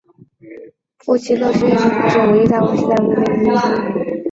富勒烯是迄今发现的唯一在室温下溶于常规溶剂的碳同素异性体。